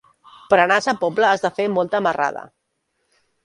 Per anar a Sa Pobla has de fer molta marrada.